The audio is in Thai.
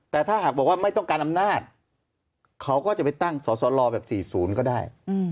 แต่ถ้าหากบอกว่าไม่ต้องการอำนาจเขาก็จะไปตั้งสสลแบบ๔๐ก็ได้